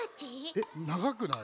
えっながくない？